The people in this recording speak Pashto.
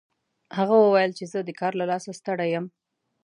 هغه وویل چې زه د کار له لاسه ستړی یم